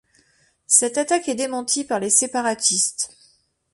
Cette attaque est démentie par les séparatistes.